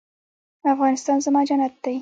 افغانستان زما جنت دی